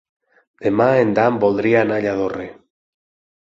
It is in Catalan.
Demà en Dan voldria anar a Lladorre.